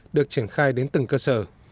được triển khai đến từng cơ sở